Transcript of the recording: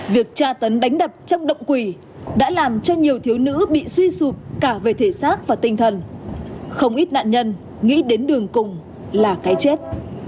việc tra tấn đánh đập trong động quỷ đã làm cho nhiều thiếu nữ bị suy sụp cả về thể xác và tinh thần không ít nạn nhân nghĩ đến đường cùng là cái chết